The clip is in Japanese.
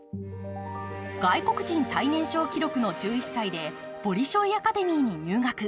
外国人最年少記録の１１歳でボリショイ・アカデミーに入学。